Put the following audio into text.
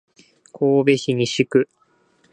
神戸市西区